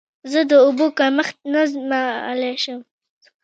زه د اوبو کمښت نه زغملی شم.